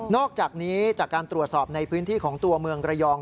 อกจากนี้จากการตรวจสอบในพื้นที่ของตัวเมืองระยอง